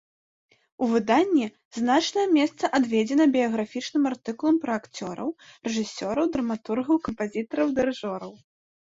У выданні значнае месца адведзена біяграфічным артыкулам пра акцёраў, рэжысёраў, драматургаў, кампазітараў, дырыжораў.